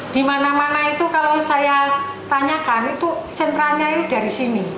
di mana mana itu kalau saya tanyakan itu sentranya ini dari sini